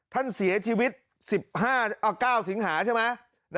ท่านเสียชีวิต๙สิงหาใช่ไหมนะครับ